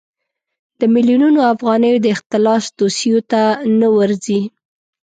د میلیونونو افغانیو د اختلاس دوسیو ته نه ورځي.